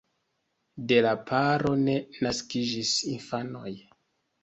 De la paro ne naskiĝis infanoj.